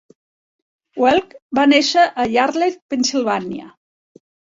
Welch va néixer a Yardley, Pennsilvània.